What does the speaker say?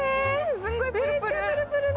すんごいプルプル。